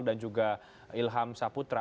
dan juga ilham saputra